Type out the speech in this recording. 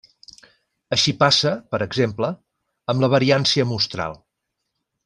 Així passa, per exemple, amb la variància mostral.